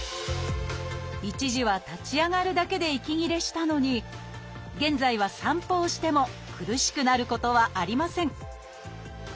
一時は立ち上がるだけで息切れしたのに現在は散歩をしても苦しくなることはありません。